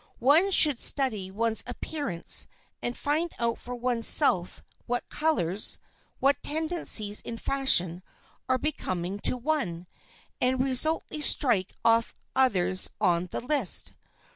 One should study one's appearance and find out for one's self what colors, what tendencies in fashion are becoming to one, and resolutely strike others off the list.